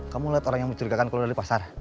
kamu lihat orang yang mencurigakan keluar dari pasar